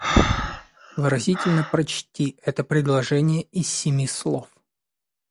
Выразительно прочти это предложение из семи слов.